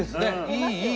いいいい。